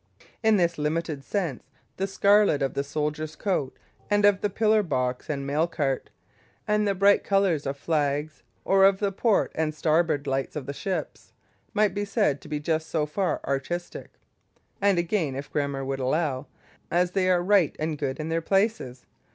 In this limited sense the scarlet of the soldier's coat, and of the pillar box and mail cart, and the bright colours of flags, or of the port and starboard lights of ships, might be said to be just so far "artistic" (again if grammar would allow), as they are right and good in their places.